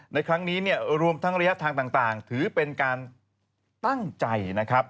ในครั้งนี้เนี่ยรวมทั้งระยะทางต่างถือเป็นการตั้งใจนะครับ